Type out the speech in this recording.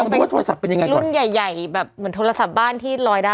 อืมโทรศัพท์เป็นอุ้มใหญ่แบบเหมือนโทรศัพท์บ้านที่ลอยได้